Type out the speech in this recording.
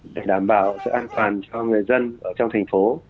để đảm bảo sự an toàn cho người dân ở trong thành phố